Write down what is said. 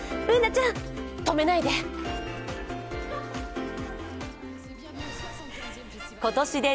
Ｂｏｏｎａちゃん、止めないで！